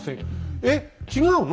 えっ違うの？